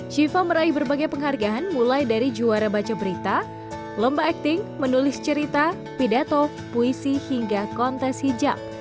shiva meraih berbagai penghargaan mulai dari juara baca berita lomba acting menulis cerita pidato puisi hingga kontes hijab